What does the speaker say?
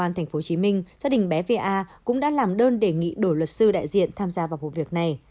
an tp hcm gia đình bé v a cũng đã làm đơn đề nghị đổi luật sư đại diện tham gia vào vụ việc này